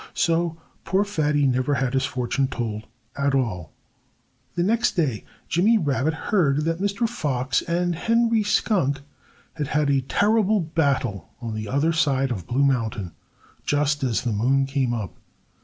So poor Fatty never had his fortune told at all. The next day Jimmy Rabbit heard that Mr. Fox and Henry Skunk had had a terrible battle on the other side of Blue Mountain, just as the moon came up.